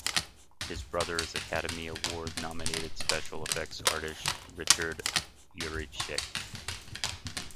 His brother is Academy Award-nominated special effects artist Richard Yuricich.